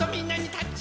タッチ！